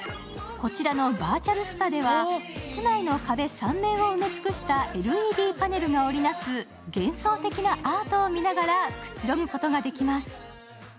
こちらのバーチャルスパでは室内の壁３面を埋め尽くしたＬＥＤパネルが織り成す幻想的なアートを見ながらくつろぐことができます。